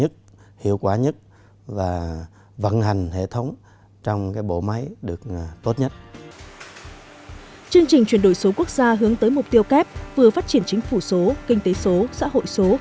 chương trình chuyển đổi số quốc gia hướng tới mục tiêu kép vừa phát triển chính phủ số kinh tế số xã hội số